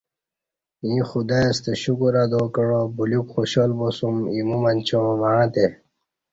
ییں خدائی ستہ ݜکر ادا کعا بلیوک خوشحال باسُوم اِیمو منچاں وعݩتی